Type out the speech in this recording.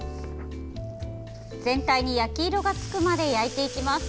全体に焼き色がつくまで焼いていきます。